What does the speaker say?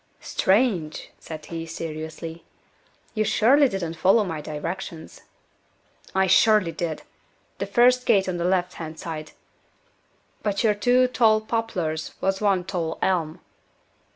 "Strange!" said he, seriously. "You surely didn't follow my directions." "I surely did. The first gate on the left hand side. But your two tall poplars was one tall elm."